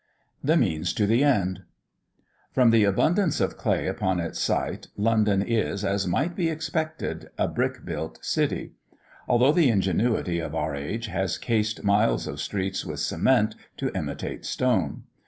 "THE MEANS TO THE END." From the abundance of clay upon its site, London is, as might be expected, a brick built city; although the ingenuity of our age has cased miles of streets with cement, to imitate stone.